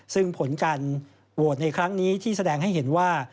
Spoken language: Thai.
ซึ่งผลการโหวตในครั้งนี้ที่แสดงให้เห็นว่า